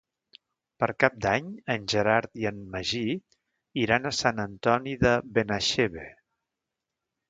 Per Cap d'Any en Gerard i en Magí iran a Sant Antoni de Benaixeve.